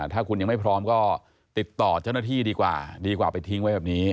ถ้าคุณยังไม่พร้อมก็ติดต่อเจ้าหน้าที่ดีกว่าดีกว่าไปทิ้งไว้แบบนี้